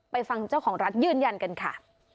ฟังเจ้าของร้านยืนยันกันค่ะ